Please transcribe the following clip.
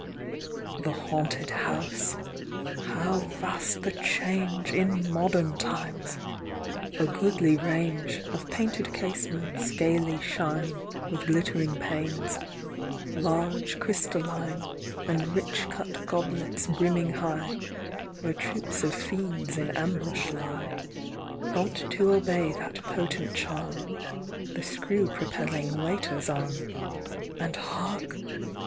The Haunted House !— how vast the change In modem times ! A goodly range Of painted casements gaily shine With glittering panes ; large crystalline. And rich cut goblets brimming high — Where troops of fiends in ambush lie, Prompt to obey that potent charm — The screw propelling waiter's arm. And, hark